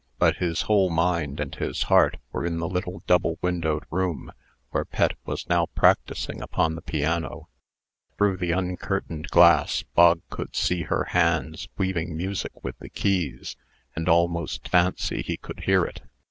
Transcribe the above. But his whole mind, and his heart, were in the little double windowed room, where Pet was now practising upon the piano. Through the uncurtained glass, Bog could see her hands weaving music with the keys, and almost fancy he could hear it.